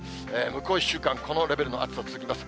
向こう１週間、このレベルの暑さ続きます。